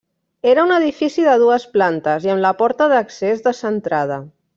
Era un edifici de dues plantes i amb la porta d'accés descentrada.